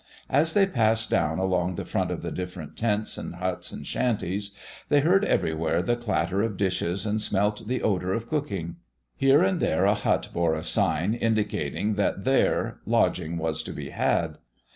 As they passed down along the front of the different tents and huts and shanties, they heard everywhere the clatter of dishes and smelt the odor of cooking. Here and there a hut bore a sign indicating that there lodging was to be had.